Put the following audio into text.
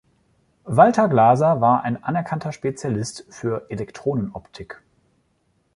Walter Glaser war ein anerkannter Spezialist für Elektronenoptik.